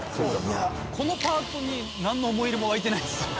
このパーツに何の思い入れも湧いてないです。